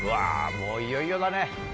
もういよいよだね。